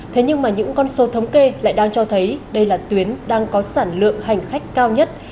thế nhưng mà những con số thống kê lại đang cho thấy đây là tuyến đang có sản lượng hành khách cao nhất